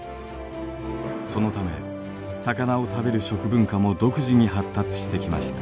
そのため魚を食べる食文化も独自に発達してきました。